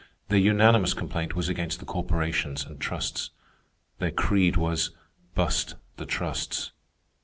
Their unanimous complaint was against the corporations and trusts. Their creed was, "Bust the Trusts."